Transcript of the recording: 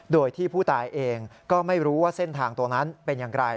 โดยที่ผู้ตายเองก็ไม่รู้ว่าเส้นทางตรงนั้นเป็นอย่างไร